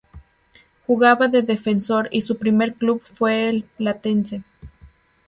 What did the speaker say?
Jugaba de defensor y su primer club fue el Platense.